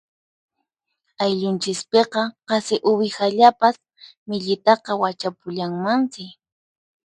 Ayllunchispiqa qasi uwihallapas millitaqa wachapullanmansi.